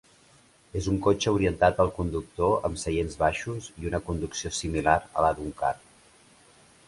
És un cotxe orientat al conductor amb seients baixos i una conducció similar a la d'un kart.